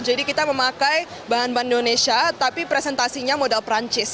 jadi kita memakai bahan bahan indonesia tapi presentasinya modal perancis